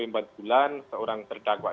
empat bulan seorang terdakwa